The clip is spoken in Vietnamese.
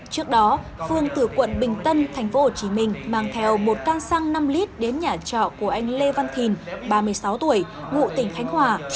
trước đó phương từ quận bình tân thành phố hồ chí minh mang theo một căn xăng năm lít đến nhà trọ của anh lê văn thìn ba mươi sáu tuổi ngụ tỉnh khánh hòa